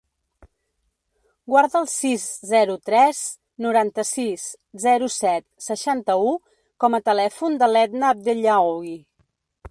Guarda el sis, zero, tres, noranta-sis, zero, set, seixanta-u com a telèfon de l'Edna Abdellaoui.